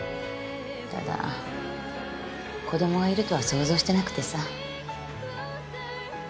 ただ子供がいるとは想像してなくてさ。